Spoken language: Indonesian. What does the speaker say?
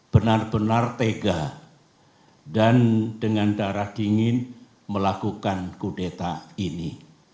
benar benar tega dan dengan darah dingin melakukan kudeta ini